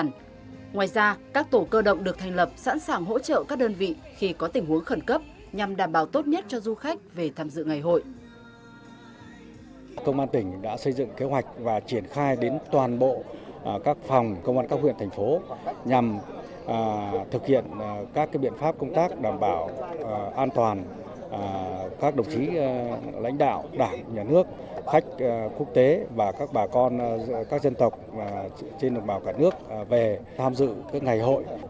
ngoài ra các tổ cơ động được thành lập sẵn sàng hỗ trợ các đơn vị khi có tình huống khẩn cấp nhằm đảm bảo tốt nhất cho du khách về tham dự ngày hội